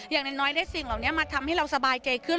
อย่างน้อยได้สิ่งเหล่านี้มาทำให้เราสบายใจขึ้น